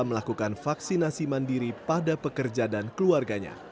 melakukan vaksinasi mandiri pada pekerja dan keluarganya